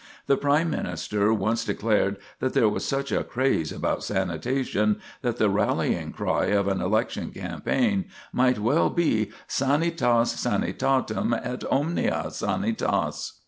The Prime Minister once declared that there was such a craze about sanitation that the rallying cry of an election campaign might well be "Sanitas sanitatum, et omnia sanitas."